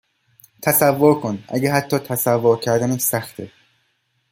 تصور کن اگه حتی تصور کردنش سخته